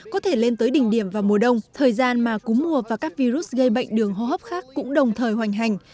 có thể lên tới đỉnh điểm vào mùa đông thời gian mà cúm mùa và các virus gây bệnh đường hô hấp khác cũng đồng thời hoành hành